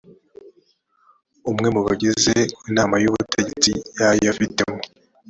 umwe mu bagize inama y ubutegetsi yayo afitemo